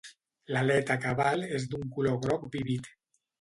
L'aleta cabal és d'un color groc vívid.